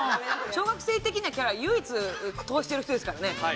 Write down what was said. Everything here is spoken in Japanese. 小学生的なキャラを唯一通している人ですからね。